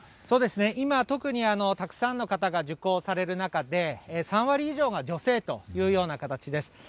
そうですね、今、特にたくさんの方が受講される中で、３割以上が女性というような形です。